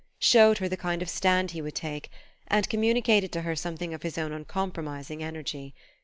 showed her the kind of stand he would take, and communicated to her something of his own uncompromising energy.